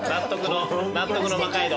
納得のうま街道。